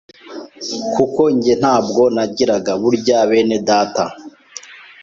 kuko njye ntabwo nagiraga, burya bene data